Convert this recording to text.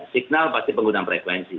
signal pasti penggunaan frekuensi